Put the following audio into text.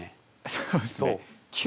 そうですね。